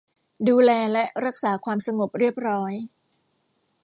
ดูแลและรักษาความสงบเรียบร้อย